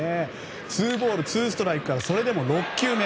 ツーボールツーストライクから６球目。